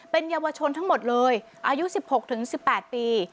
เป็นเยาวชนทั้งหมดเลยอายุ๑๖๑๘ปี